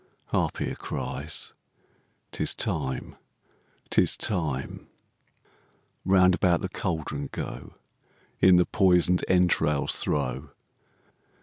Harpier cries:—'Tis time, 'tis time. FIRST WITCH. Round about the cauldron go; In the poison'd entrails throw.